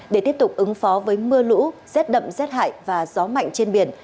để tiếp tục ứng phó với mưa lũ rét đậm rét hại và gió mạnh trên biển